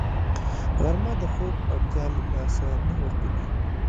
غرمه د خوب اړتیا له لاسه نه ورکوي